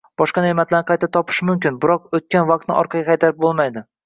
Boshqa ne’matlarni qayta topish mumkin, biroq o‘tgan vaqtni orqaga qaytarib bo‘lmaydi.